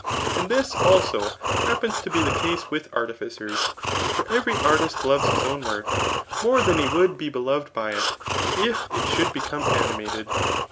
And this, also, happens to be the case with artificers ; for every artist loves his own work, more than he would be beloved by it, if it should become animated.